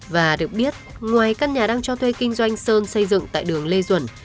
và được biết ngoài căn nhà đang cho thuê kinh doanh sơn xây dựng tại đường lê duẩn